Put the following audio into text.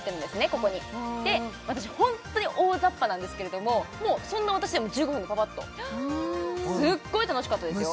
ここに私ホントに大ざっぱなんですけれどももうそんな私でも１５分でパパッとすっごい楽しかったですよ